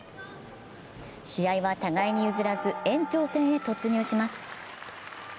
試合は互いに譲らず延長戦に突入します。